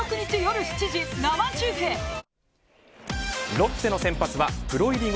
ロッテの先発はプロ入り後